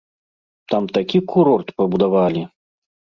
Там такі курорт пабудавалі!